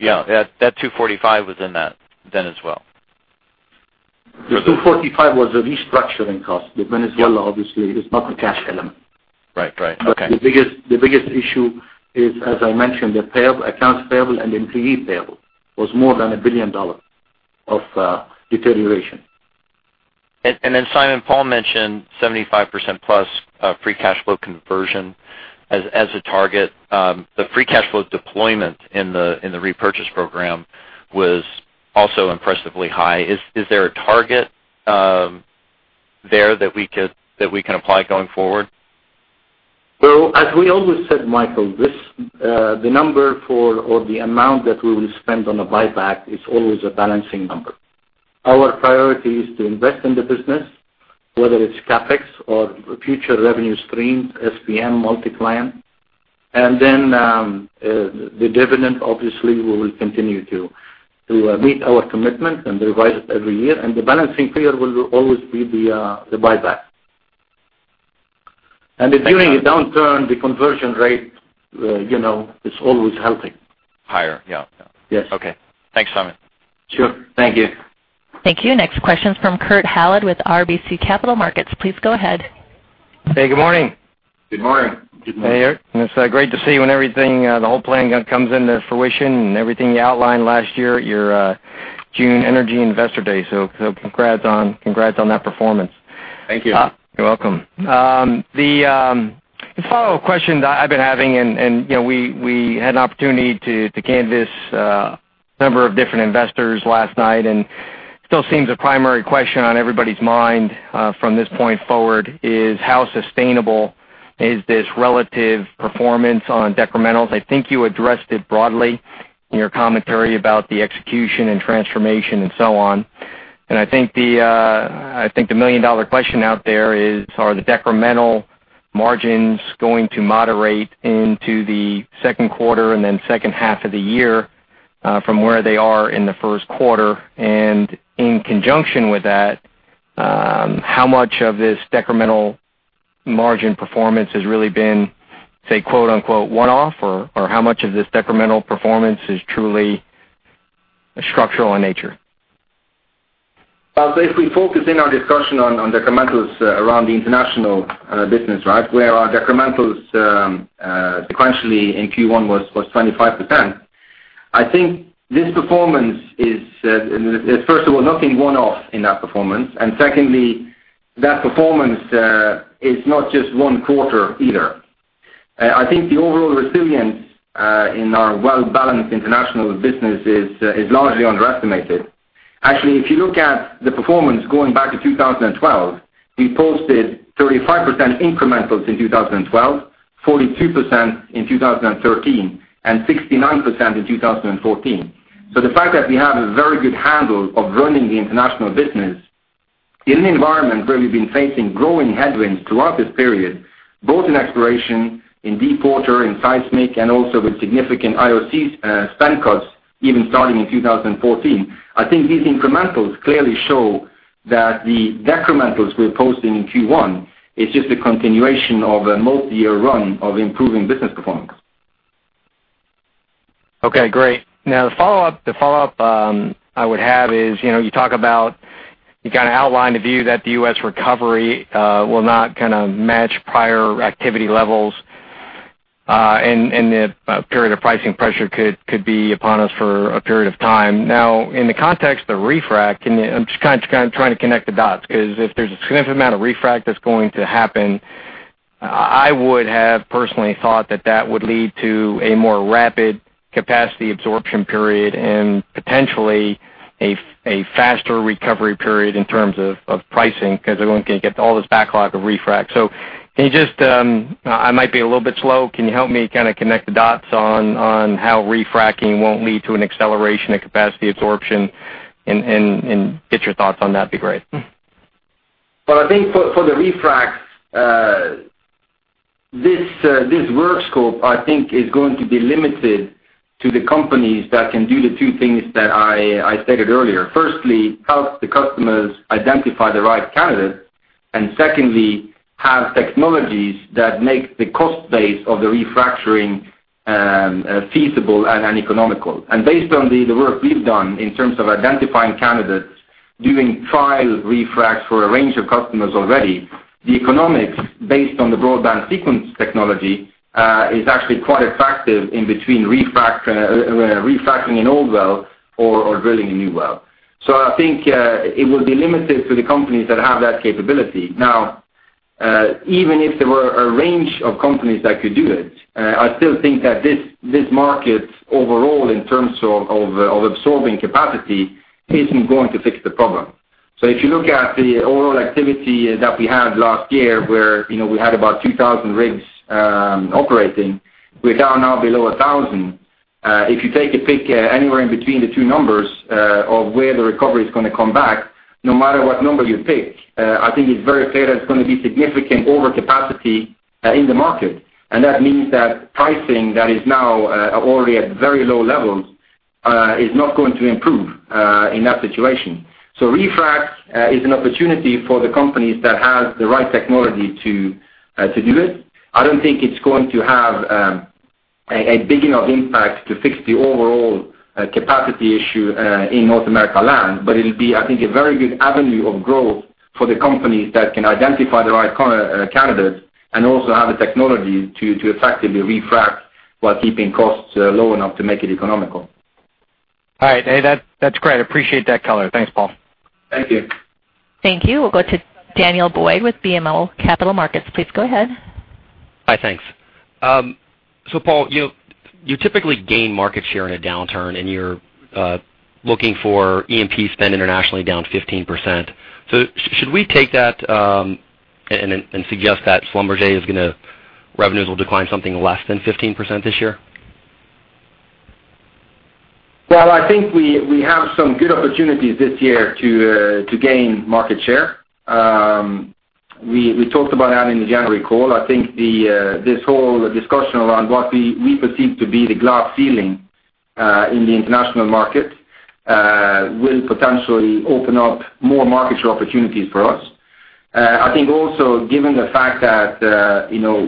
J: That $245 was in that then as well.
C: The $245 was a restructuring cost. The Venezuela, obviously, is not a cash element.
J: Right. Okay.
C: The biggest issue is, as I mentioned, the accounts payable and employee payable was more than $1 billion of deterioration.
J: Simon, Paal mentioned 75%+ of free cash flow conversion as a target. The free cash flow deployment in the repurchase program was also impressively high. Is there a target there that we can apply going forward?
C: As we always said, Michael, the number for or the amount that we will spend on a buyback is always a balancing number. Our priority is to invest in the business, whether it's CapEx or future revenue streams, SPM, MultiClient. The dividend, obviously, we will continue to meet our commitment and revise it every year. The balancing figure will always be the buyback. During the downturn, the conversion rate is always healthy.
J: Higher. Yeah.
C: Yes.
J: Okay. Thanks, Simon.
C: Sure. Thank you.
A: Thank you. Next question's from Kurt Hallead with RBC Capital Markets. Please go ahead.
K: Hey, good morning.
C: Good morning.
D: Good morning.
K: It's great to see when everything, the whole plan comes into fruition and everything you outlined last year at your June Energy Investor Day. Congrats on that performance.
C: Thank you.
K: You're welcome. The follow-up question that I've been having, we had an opportunity to canvas a number of different investors last night, still seems a primary question on everybody's mind from this point forward is, how sustainable is this relative performance on decrementals? I think you addressed it broadly in your commentary about the execution and transformation and so on. I think the million-dollar question out there is, are the decremental margins going to moderate into the second quarter and then second half of the year from where they are in the first quarter? In conjunction with that, how much of this decremental margin performance has really been, say, "one-off," or how much of this decremental performance is truly structural in nature?
D: Paal, basically focusing our discussion on decrementals around the international business where our decrementals sequentially in Q1 was 25%. I think this performance is, first of all, nothing one-off in that performance. Secondly, that performance is not just one quarter either. I think the overall resilience in our well-balanced international business is largely underestimated. Actually, if you look at the performance going back to 2012, we posted 35% incrementals in 2012, 42% in 2013, and 69% in 2014. The fact that we have a very good handle of running the international business in an environment where we've been facing growing headwinds throughout this period, both in exploration, in deepwater, in seismic, and also with significant IOC spend cuts even starting in 2014, I think these incrementals clearly show that the decrementals we're posting in Q1 is just a continuation of a multi-year run of improving business performance.
K: Okay, great. The follow-up I would have is, you talk about, you kind of outlined a view that the U.S. recovery will not match prior activity levels, that a period of pricing pressure could be upon us for a period of time. In the context of refrac, I'm just trying to connect the dots, because if there's a significant amount of refrac that's going to happen, I would have personally thought that that would lead to a more rapid capacity absorption period and potentially a faster recovery period in terms of pricing because they're going to get all this backlog of refrac. I might be a little bit slow. Can you help me connect the dots on how refraccing won't lead to an acceleration of capacity absorption and get your thoughts on that would be great.
D: Well, I think for the refrac. This work scope, I think is going to be limited to the companies that can do the two things that I stated earlier. Firstly, help the customers identify the right candidates, and secondly, have technologies that make the cost base of the refracturing feasible and economical. Based on the work we've done in terms of identifying candidates, doing trial refracs for a range of customers already, the economics based on the BroadBand Sequence technology, is actually quite attractive in between refactoring an old well or drilling a new well. I think it will be limited to the companies that have that capability. Even if there were a range of companies that could do it, I still think that this market overall, in terms of absorbing capacity, isn't going to fix the problem. If you look at the overall activity that we had last year, where we had about 2,000 rigs operating, we are down now below 1,000. If you take a pick anywhere in between the two numbers of where the recovery is going to come back, no matter what number you pick, I think it's very clear there's going to be significant overcapacity in the market. That means that pricing that is now already at very low levels, is not going to improve in that situation. Refrac is an opportunity for the companies that have the right technology to do it. I don't think it's going to have a big enough impact to fix the overall capacity issue in North America land, it'll be, I think, a very good avenue of growth for the companies that can identify the right candidates and also have the technology to effectively refrac while keeping costs low enough to make it economical.
K: All right. Hey, that's great. I appreciate that color. Thanks, Paal.
D: Thank you.
A: Thank you. We'll go to Daniel Boyd with BMO Capital Markets. Please go ahead.
L: Hi, thanks. Paal, you typically gain market share in a downturn, and you're looking for E&P spend internationally down 15%. Should we take that and suggest that Schlumberger is going to Revenues will decline something less than 15% this year?
D: I think we have some good opportunities this year to gain market share. We talked about that in the January call. I think this whole discussion around what we perceive to be the glass ceiling in the international market will potentially open up more market share opportunities for us. I think also given the fact that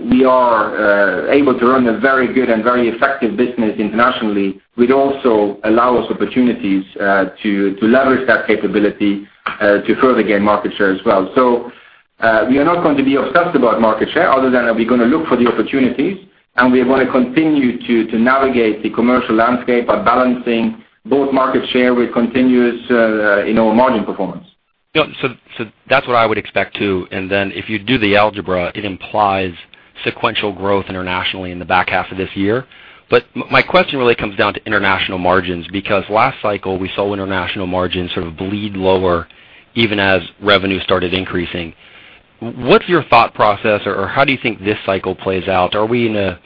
D: we are able to run a very good and very effective business internationally, we'd also allow us opportunities to leverage that capability to further gain market share as well. We are not going to be obsessed about market share other than are we going to look for the opportunities, and we are going to continue to navigate the commercial landscape by balancing both market share with continuous margin performance.
L: That's what I would expect, too. If you do the algebra, it implies sequential growth internationally in the back half of this year. My question really comes down to international margins, because last cycle, we saw international margins sort of bleed lower even as revenue started increasing. What's your thought process, or how do you think this cycle plays out? Are we in a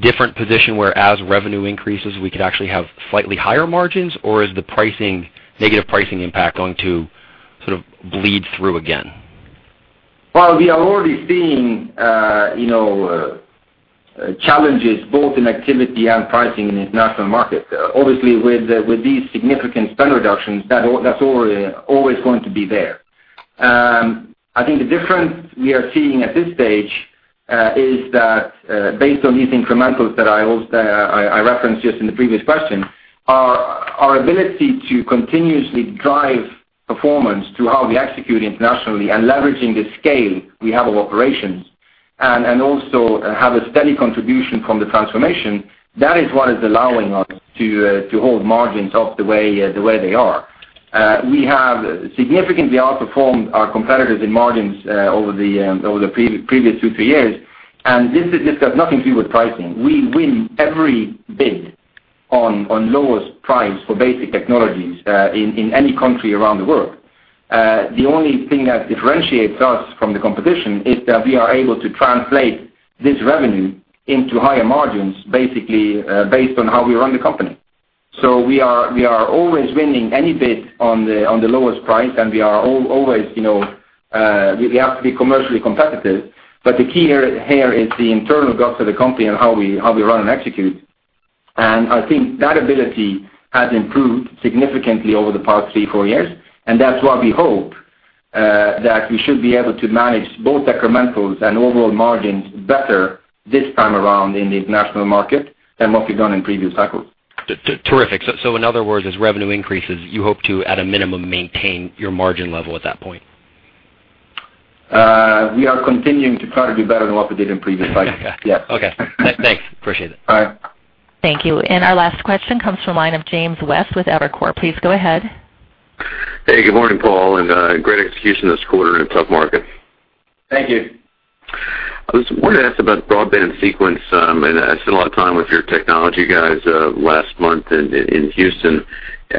L: different position where as revenue increases, we could actually have slightly higher margins, or is the negative pricing impact going to sort of bleed through again?
D: We are already seeing challenges both in activity and pricing in the international market. Obviously, with these significant spend reductions that's always going to be there. I think the difference we are seeing at this stage is that based on these incrementals that I referenced just in the previous question, our ability to continuously drive performance to how we execute internationally and leveraging the scale we have of operations and also have a steady contribution from the transformation. That is what is allowing us to hold margins up the way they are. We have significantly outperformed our competitors in margins over the previous two, three years, and this has nothing to do with pricing. We win every bid on lowest price for basic technologies, in any country around the world. The only thing that differentiates us from the competition is that we are able to translate this revenue into higher margins, basically based on how we run the company. We are always winning any bid on the lowest price, and we have to be commercially competitive. The key here is the internal guts of the company and how we run and execute. I think that ability has improved significantly over the past three, four years, and that's why we hope that we should be able to manage both incrementals and overall margins better this time around in the international market than what we've done in previous cycles.
L: Terrific. In other words, as revenue increases, you hope to, at a minimum, maintain your margin level at that point?
D: We are continuing to try to do better than what we did in previous cycles.
L: Okay.
D: Yeah.
L: Thanks. Appreciate it.
D: All right.
A: Thank you. Our last question comes from the line of James West with Evercore. Please go ahead.
M: Hey, good morning, Paal, and great execution this quarter in a tough market.
D: Thank you.
M: I just wanted to ask about BroadBand Sequence. I spent a lot of time with your technology guys last month in Houston.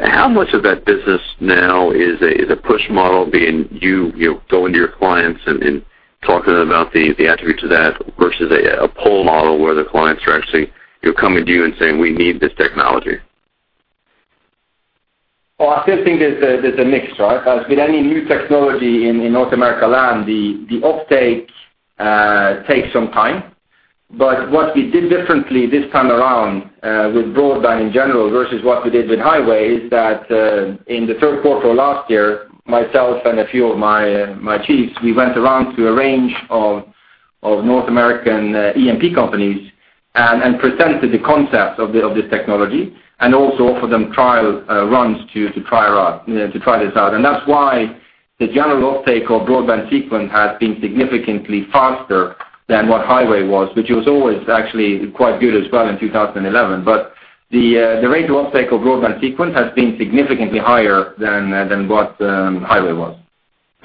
M: How much of that business now is a push model, being you go into your clients and talk to them about the attributes of that versus a pull model where the clients are actually coming to you and saying, "We need this technology"?
D: I still think there's a mix, right? As with any new technology in North America land, the uptake takes some time. What we did differently this time around with BroadBand in general, versus what we did with HiWAY, is that in the third quarter of last year, myself and a few of my chiefs, we went around to a range of North American E&P companies and presented the concept of this technology, also offered them trial runs to try this out. That's why the general uptake of BroadBand Sequence has been significantly faster than what HiWAY was, which was always actually quite good as well in 2011. The rate of uptake of BroadBand Sequence has been significantly higher than what HiWAY was.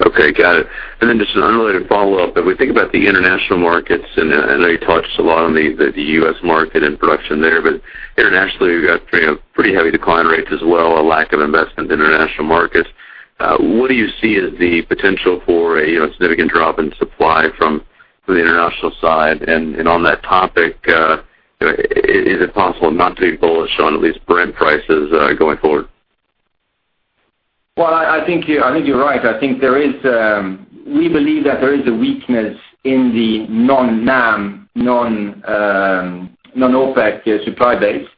M: Okay, got it. Just an unrelated follow-up. If we think about the international markets, and I know you touched a lot on the U.S. market and production there, but internationally, we've got pretty heavy decline rates as well, a lack of investment in international markets. What do you see as the potential for a significant drop in supply from the international side? On that topic, is it possible not to be bullish on at least Brent prices going forward?
D: Well, I think you're right. We believe that there is a weakness in the non-NAM, non-OPEC supply base.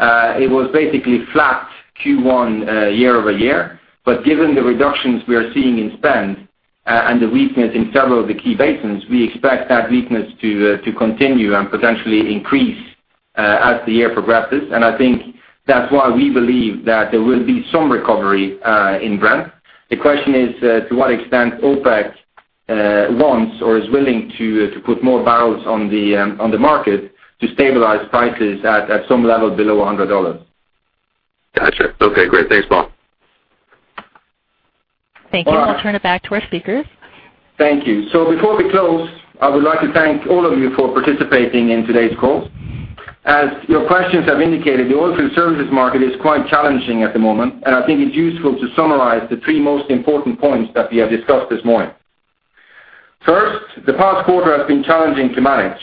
D: It was basically flat Q1 year-over-year. Given the reductions we are seeing in spend and the weakness in several of the key basins, we expect that weakness to continue and potentially increase as the year progresses. I think that's why we believe that there will be some recovery in Brent. The question is to what extent OPEC wants or is willing to put more barrels on the market to stabilize prices at some level below $100.
M: Got you. Okay, great. Thanks, Paal.
A: Thank you. I'll turn it back to our speakers.
D: Thank you. Before we close, I would like to thank all of you for participating in today's call. As your questions have indicated, the oil field services market is quite challenging at the moment, I think it's useful to summarize the three most important points that we have discussed this morning. First, the past quarter has been challenging to manage,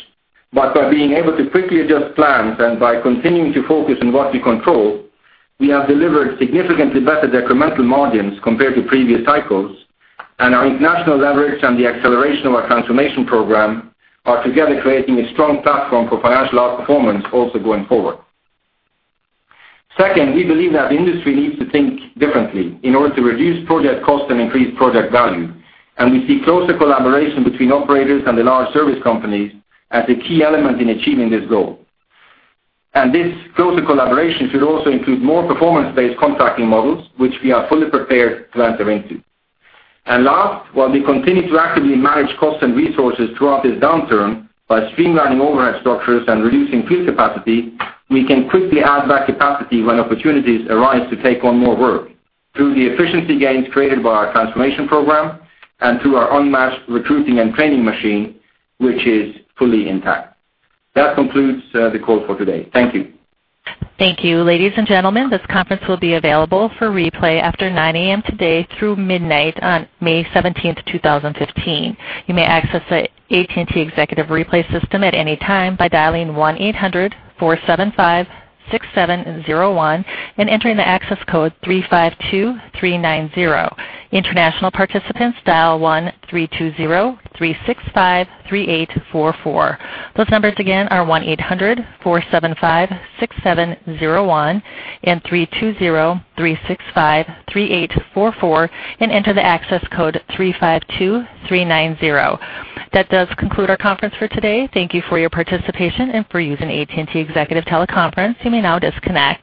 D: by being able to quickly adjust plans and by continuing to focus on what we control, we have delivered significantly better incremental margins compared to previous cycles, our international leverage and the acceleration of our transformation program are together creating a strong platform for financial outperformance also going forward. Second, we believe that the industry needs to think differently in order to reduce project cost and increase project value, we see closer collaboration between operators and the large service companies as a key element in achieving this goal. This closer collaboration should also include more performance-based contracting models, which we are fully prepared to enter into. Last, while we continue to actively manage costs and resources throughout this downturn by streamlining overhead structures and reducing fleet capacity, we can quickly add back capacity when opportunities arise to take on more work through the efficiency gains created by our transformation program and through our unmatched recruiting and training machine, which is fully intact. That concludes the call for today. Thank you.
A: Thank you. Ladies and gentlemen, this conference will be available for replay after 9:00 A.M. today through midnight on May 17th, 2015. You may access the AT&T Executive Replay system at any time by dialing 1-800-475-6701 and entering the access code 352390. International participants dial 1-320-365-3844. Those numbers again are 1-800-475-6701 and 320-365-3844, and enter the access code 352390. That does conclude our conference for today. Thank you for your participation and for using AT&T Executive Teleconference. You may now disconnect.